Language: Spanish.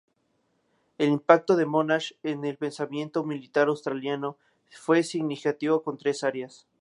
El impacto de Monash en el pensamiento militar australiano fue significativo en tres áreas.